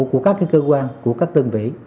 của các cơ quan của các đơn vị